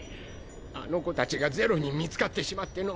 あの子達が是露に見つかってしまっての。